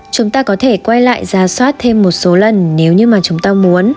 chúng ta có thể quay lại giả soát thêm một số lần nếu như mà chúng ta muốn